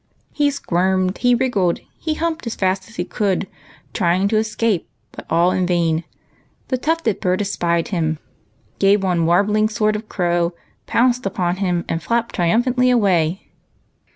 He squirmed, he wriggled, he humped as fast as he could, trying to escape ; but all in vain. The tufted bird espied him, gave one warbling sort of crow, pounced upon him, and flapped triumphantly away.